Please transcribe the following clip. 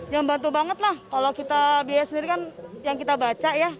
yang bantu banget lah kalau kita biaya sendiri kan yang kita baca ya